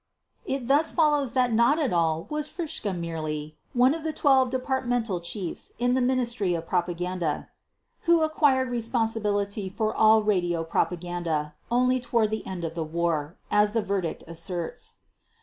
It thus follows that not at all was Fritzsche merely "one of the 12 departmental chiefs in the Ministry of Propaganda" who acquired responsibility for all radio propaganda only toward the end of the war, as the verdict asserts.